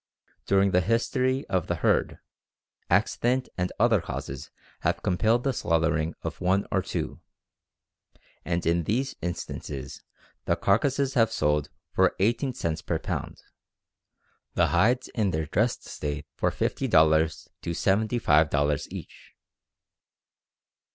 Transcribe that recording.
During the history of the herd, accident and other causes have compelled the slaughtering of one or two, and in these instances the carcasses have sold for 18 cents per pound; the hides in their dressed state for $50 to $75 each.